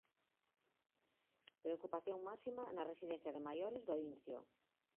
Preocupación máxima na residencia de maiores do Incio.